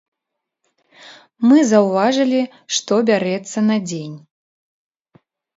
Мы заўважылі, што бярэцца на дзень.